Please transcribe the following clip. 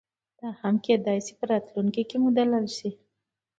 یا هم کېدای شي په راتلونکي کې مدلل شي.